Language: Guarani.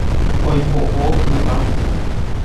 Oipo'o yva.